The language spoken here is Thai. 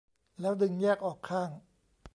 แล้วดึงแยกออกข้าง